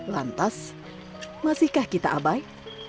lantas masihkah kita abai